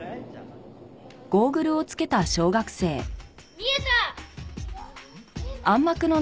見えた！